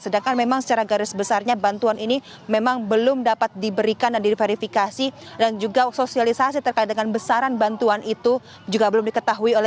sedangkan memang secara garis besarnya bantuan ini memang belum dapat diberikan dan diverifikasi dan juga sosialisasi terkait dengan besaran bantuan itu juga belum diketahui